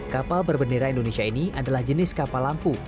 kapal berbendera indonesia ini adalah jenis kapal lampu